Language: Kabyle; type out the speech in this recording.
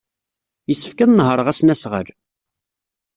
Yessefk ad nehṛeɣ asnasɣal.